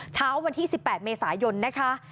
เช้าวันที่๑๘เมษายนนะคะ